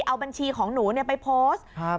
เอาบัญชีของหนูไปโพสต์